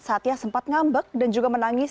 saatnya sempat ngambek dan juga menangis